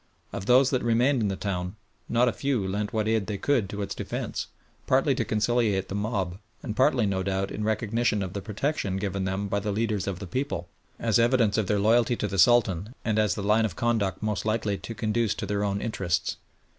Of those that remained in the town, not a few lent what aid they could to its defence, partly to conciliate the mob and partly no doubt in recognition of the protection given them by the leaders of the people, as evidence of their loyalty to the Sultan, and as the line of conduct most likely to conduce to their own interests.